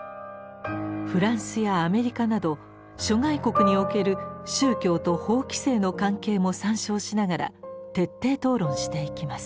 フランスやアメリカなど諸外国における宗教と法規制の関係も参照しながら徹底討論していきます。